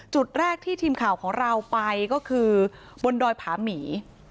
จุดแรกที่ทีมข่าวของเราไปก็คือบนดอยผาหมี